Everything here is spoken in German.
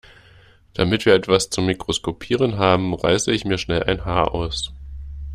Damit wir etwas zum Mikroskopieren haben, reiße ich mir schnell ein Haar aus.